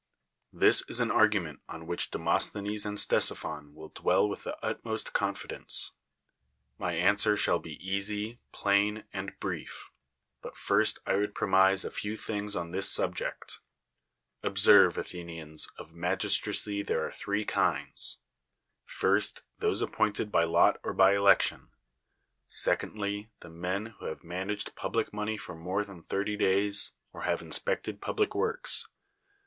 This is an argument on which Demosthenes and Ctesiphon will dwell with the utmost confidence, ^ly answer shall be easy, plain, and bi'ief; but first I would premise a few things on this subject. Observe, Athenians! of magistracy there are three kinds: First, those appointed l)y lot or by election. Secondly, the men who have managed public money for more than thirty days, or have inspected public works.